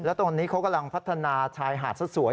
แล้วตอนนี้เขากำลังพัฒนาชายหาดซะสวย